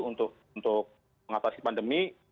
untuk mengatasi pandemi